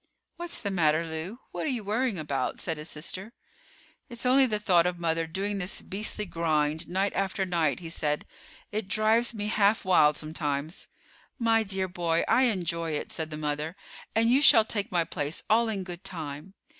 "What's the matter, Lew? What are you worrying about?" said his sister. "It's only the thought of mother doing this beastly grind night after night," he said. "It drives me half wild sometimes." "My dear boy, I enjoy it," said the mother; "and you shall take my place all in good time.